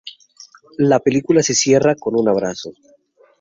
La película se cierra con un abrazo.